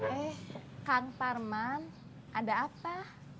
eh kang tarman ada apa